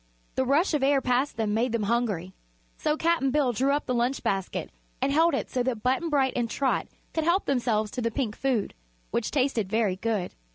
The rush of air past them made them hungry, so Cap'n Bill drew up the lunch basket and held it so that Button Bright and Trot could help themselves to the pink food, which tasted very good.